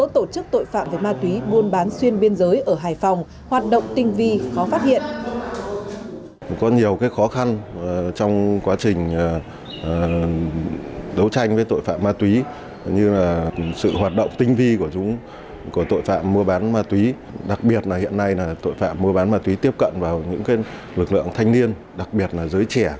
tổ chức tội phạm về ma túy buôn bán xuyên biên giới ở hải phòng